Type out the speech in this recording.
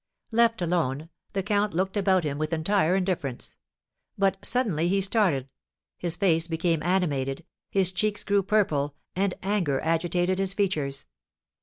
Left alone, the count looked about him with entire indifference; but suddenly he started, his face became animated, his cheeks grew purple, and anger agitated his features.